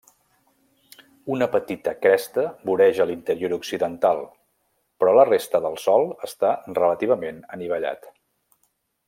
Una petita cresta voreja l'interior occidental, però la resta del sòl està relativament anivellat.